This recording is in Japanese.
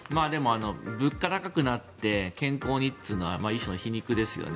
物価が高くなって健康にというのは皮肉ですよね。